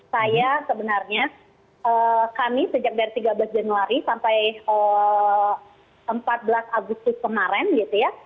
saya sebenarnya kami sejak dari tiga belas januari sampai empat belas agustus kemarin gitu ya